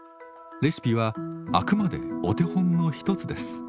レシピはあくまでお手本の一つです。